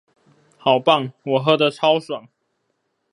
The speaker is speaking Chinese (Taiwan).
好棒，我喝的超爽！